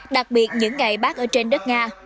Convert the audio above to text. đặc biệt những ngày bác ở trên đất nga